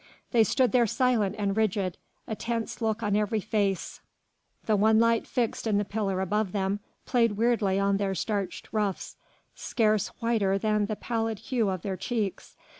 They stood there silent and rigid, a tense look on every face; the one light fixed in the pillar above them played weirdly on their starched ruffs scarce whiter than the pallid hue of their cheeks.